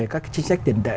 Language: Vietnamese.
các cái chính sách tiền tệ